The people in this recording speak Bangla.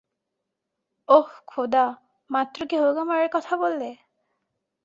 ওহ, খোদা, মাত্র কি হোগা মারার কথা বললে?